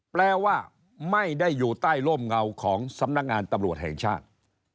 แปลว่าไม่ได้อยู่ใต้ร่มเงาของสำนักงานตำรวจแห่งชาติ